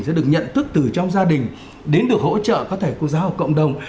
sẽ được nhận thức từ trong gia đình đến được hỗ trợ có thể của giáo hội cộng đồng